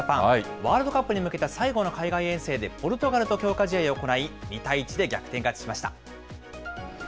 ワールドカップに向けた最後の海外遠征でポルトガルと強化試合を行い、２対１で逆転勝ちしました。